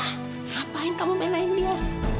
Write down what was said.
ngapain kamu menangin dia